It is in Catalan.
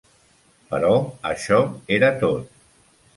Però això era tot.